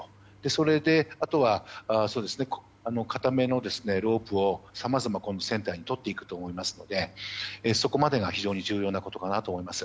それで、あとは固めのロープを船体にとっていくと思いますのでそこまでが非常に重要なことかと思います。